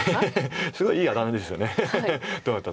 すごいいいあだ名ですよね。